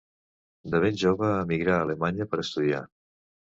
De ben jove emigrà a Alemanya per estudiar.